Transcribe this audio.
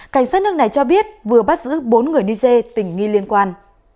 cảnh sát nước này cho biết vừa bắt giữ bốn người niger tình nghi liên quan